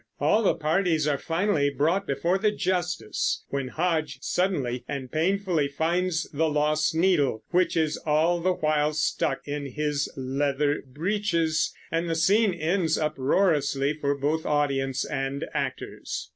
All the parties are finally brought before the justice, when Hodge suddenly and painfully finds the lost needle which is all the while stuck in his leather breeches and the scene ends uproariously for both audience and actors.